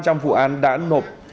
trong vụ án đã nộp